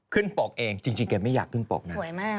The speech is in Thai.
ขึ้นปกเองจริงแกไม่อยากขึ้นปกนะ